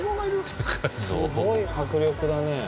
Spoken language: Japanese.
すごい迫力だね。